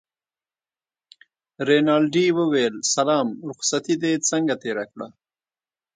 رینالډي وویل سلام رخصتې دې څنګه تېره کړه.